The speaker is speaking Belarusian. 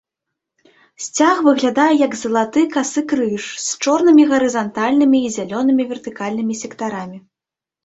Сцяг выглядае як залаты касы крыж, з чорнымі гарызантальнымі і зялёнымі вертыкальнымі сектарамі.